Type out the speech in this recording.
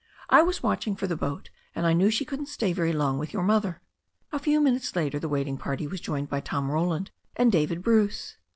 "I was watching for the boat, and I knew she couldn't stay very long with your mother." A few minutes later the waiting party was joined by Tom Roland and David Bruce.